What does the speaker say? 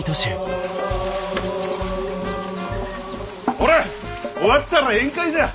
ほれ終わったら宴会じゃ！